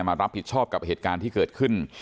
มารับผิดชอบกับเหตุการณ์ที่เกิดขึ้น